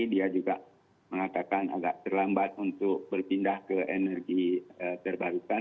dia juga mengatakan agak terlambat untuk berpindah ke energi terbarukan